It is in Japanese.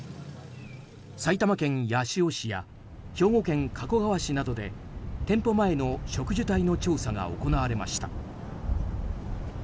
埼玉県八潮市や兵庫県加古川市などで店舗前の植樹帯の調査が行われました。